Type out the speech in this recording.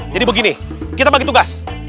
jadi begini kita bagi tugas